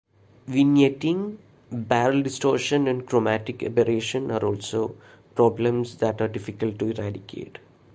Vignetting, barrel distortion and chromatic aberration are also problems that are difficult to eradicate.